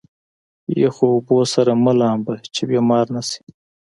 يخو اوبو سره مه لامبه چې بيمار نه شې.